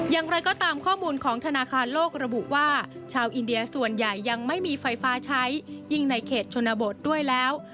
อย่างไรก็ตามข้อมูลของธนาคารโลกระบุว่าชาวอินเดียส่วนใหญ่ยังไม่มีไฟฟ้าใช้ยิ่งในเขตชนบทด้วยแล้ว